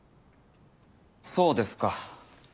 そうですか。